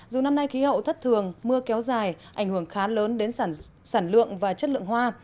dù năm nay khí hậu thất thường mưa kéo dài ảnh hưởng khá lớn đến sản lượng và chất lượng hoa